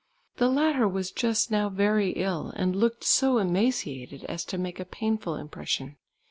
The latter was just now very ill, and looked so emaciated as to make a painful impression.